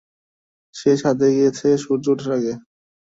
সে ছাদে গিয়েছে সূর্য ওঠার আগে।